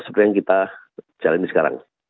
seperti yang kita jalani sekarang